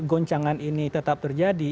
goncangan ini tetap terjadi